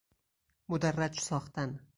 مدرج ساختن